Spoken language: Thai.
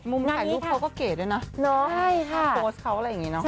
มุมงานนี้ค่ะใช่ค่ะถ้าโพสต์เค้าก็อะไรอย่างนี้เนอะ